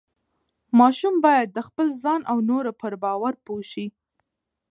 ماشوم باید د خپل ځان او نورو پر باور پوه شي.